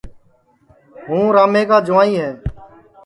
ہوں رامے کا جُوائیں ہے